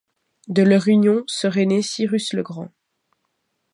De leur union serait né Cyrus le Grand.